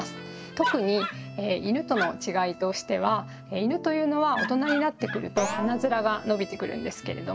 特にイヌとの違いとしてはイヌというのは大人になってくると鼻面が伸びてくるんですけれども。